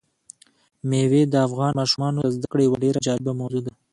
مېوې د افغان ماشومانو د زده کړې یوه ډېره جالبه موضوع ده.